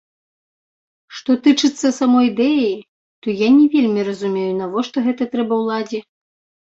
Што тычыцца самой ідэі, то я не вельмі разумею, навошта гэта трэба ўладзе.